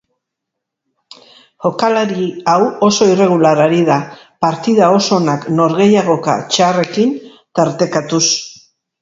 Jokalari hau oso irregular ari da, partida oso onak norgehiagoka txarrekin tartekatuz.